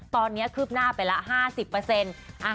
ปราณีขึ้บหน้าไปละ๕๐